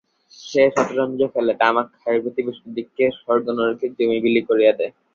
সে সতরঞ্চ খেলে, তামাক খায় ও প্রতিবেশীদিগকে স্বর্গ নরকের জমী বিলি করিয়া দেয়।